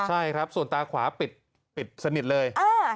ใช่ครับส่วนตาขวาปิดสนิทเลย